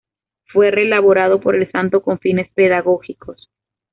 Fue reelaborado por el santo con fines pedagógicos.